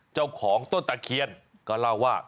เจ้าของต้นตะเคียนก็เล่าว่า